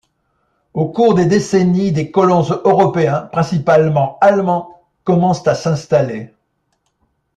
Au cours des décennies des colons européens, principalement allemands, commencent à s'installer.